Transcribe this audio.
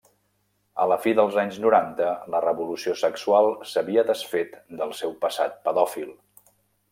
A la fi dels anys noranta, la revolució sexual s'havia desfet del seu passat pedòfil.